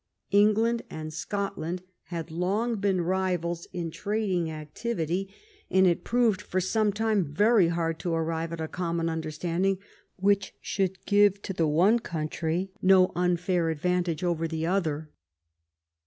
England and Scotland had long been rivals in trading activity, and it proved, for some time, very hard to arrive at a common understand ing which should give to the one country no unfair ad vantage over the other.